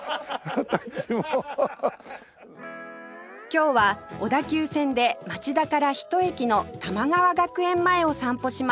今日は小田急線で町田からひと駅の玉川学園前を散歩します